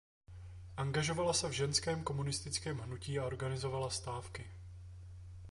Angažovala se v ženském komunistickém hnutí a organizovala stávky.